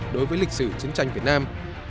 đối với lịch sử chiến tranh việt nam